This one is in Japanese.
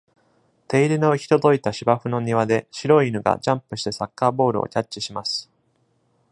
手入れの行き届いた芝生の庭で白い犬がジャンプしてサッカーボールをキャッチします。